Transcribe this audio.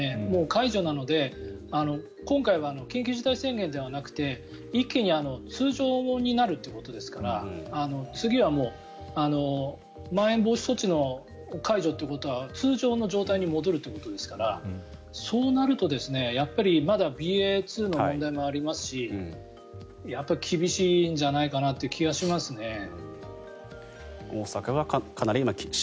もう解除なので今回は緊急事態宣言ではなくて一気に通常になるということですから次はまん延防止措置の解除ということは通常の状態に戻るということですからそうなるとまだＢＡ．２の問題もありますし厳しいんじゃないかという気がしますね。